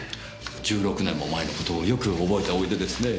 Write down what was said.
１６年も前の事をよく覚えておいでですね。